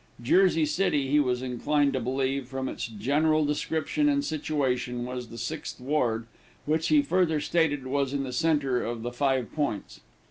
Jersey City, he was inclined to believe, from its general description and situation, was the Sixth Ward, which he further stated was in the centre of the Five Points.